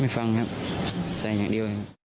ไม่ฟังครับใส่อย่างเดียว